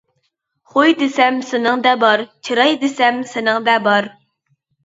خۇي دېسەم سېنىڭدە بار، چىراي دېسەم سېنىڭدە بار.